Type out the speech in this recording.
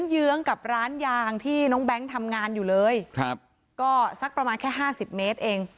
เยื้องกับร้านยางที่น้องแบงค์ทำงานอยู่เลยครับก็สักประมาณแค่ห้าสิบเมตรเอง